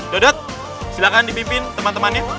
dodot silakan dipimpin teman temannya